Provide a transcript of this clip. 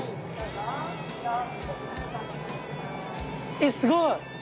えっすごい！